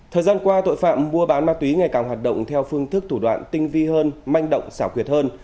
thời gian qua tội phạm mua bán ma túy ngày càng hoạt động theo phương thức thủ đoạn tinh vi hơn manh động xảo quyệt hơn